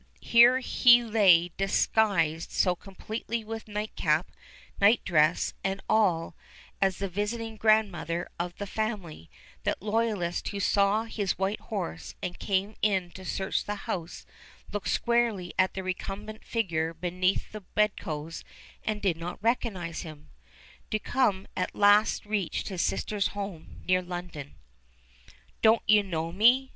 Here he lay disguised so completely with nightcap, nightdress, and all, as the visiting grandmother of the family, that loyalists who saw his white horse and came in to search the house, looked squarely at the recumbent figure beneath the bedclothes and did not recognize him. Duncombe at last reached his sister's home near London. "Don't you know me?"